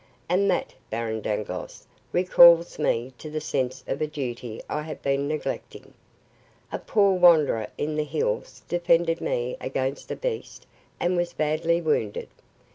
And that, Baron Dangloss, recalls me to the sense of a duty I have been neglecting. A poor wanderer in the hills defended me against the beast and was badly wounded.